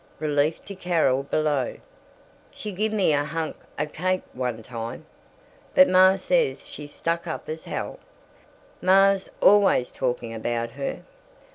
Relief to Carol, below. "She gimme a hunk o' cake, one time. But Ma says she's stuck up as hell. Ma's always talking about her.